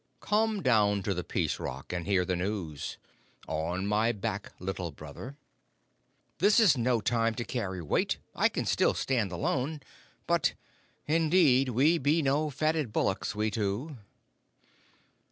Come down to the Peace Rock and hear the news. On my back, Little Brother." "This is no time to carry weight. I can still stand alone, but indeed we be no fatted bullocks, we too."